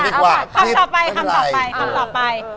แล้วต่อไปคำต่อไป